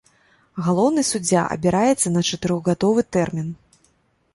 Галоўны суддзя абіраецца на чатырохгадовы тэрмін.